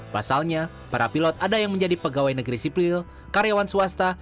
pasalnya para pilot ada yang menjadi pegawai negeri sipil karyawan swasta